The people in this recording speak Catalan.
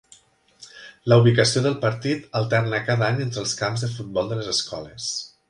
La ubicació del partit alterna cada any entre els camps de futbol de les escoles.